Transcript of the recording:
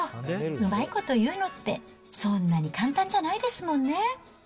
うまいこと言うのって、そんなに簡単じゃないですもんね。